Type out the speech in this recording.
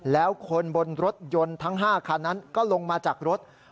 แล้วคนบนรถยนต์ทั้ง๕คันนั้นก็ลงมาจากรถ